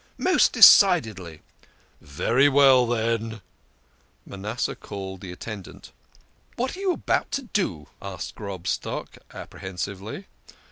"" Most decidedly." " Very well, then !" Manasseh called the attendant. "What are you about to do?" cried Grobstock appre hensively.